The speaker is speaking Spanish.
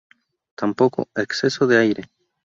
Tampoco, exceso de aire.